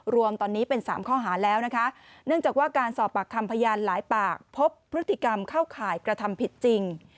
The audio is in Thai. รวมตอนนี้เป็น๓ข้อหาแล้วนะคะเนื่องจากว่าการสอบปากคำพยานหลายปากพบพฤติกรรมเข้าข่ายกระทำผิดจริง